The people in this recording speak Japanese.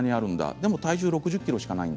でも体重は６０ｋｇしかない。